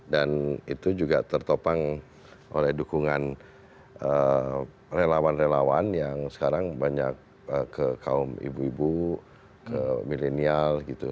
dan itu juga tertopang oleh dukungan relawan relawan yang sekarang banyak ke kaum ibu ibu ke milenial gitu